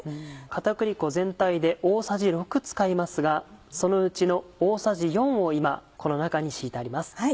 片栗粉全体で大さじ６使いますがそのうちの大さじ４を今この中に敷いてあります。